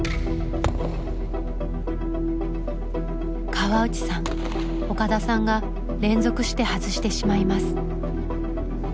河内さん岡田さんが連続して外してしまいます。